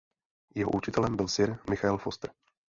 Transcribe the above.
Jeho učitelem byl Sir Michael Foster.